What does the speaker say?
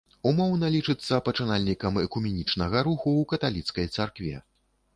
Умоўна лічыцца пачынальнікам экуменічнага руху ў каталіцкай царкве.